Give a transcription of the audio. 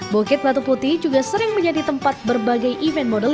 bukit batu putih juga sering menjadi tempat berbagai event model